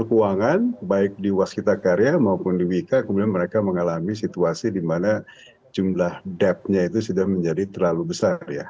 jadi kalau kita cek keuangan baik di waskita karya maupun di wika kemudian mereka mengalami situasi di mana jumlah debtnya itu sudah menjadi terlalu besar ya